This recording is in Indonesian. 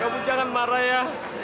kamu jangan marah ya